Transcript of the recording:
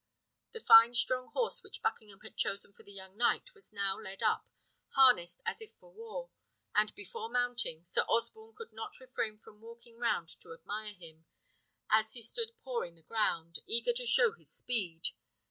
The fine strong horse which Buckingham had chosen for the young knight was now led up, harnessed as if for war; and before mounting, Sir Osborne could not refrain from walking round to admire him, as he stood pawing the ground, eager to show his speed.